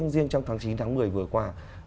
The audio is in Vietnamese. riêng trong tháng chín tháng một mươi vừa qua